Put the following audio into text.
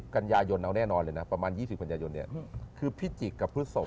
๒๐กัญญายนเอาแน่นอนเลยนะประมาณ๒๐กัญญายนคือพิจิกกับพฤศโศค